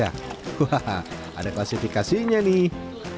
wah ada klasifikasinya nih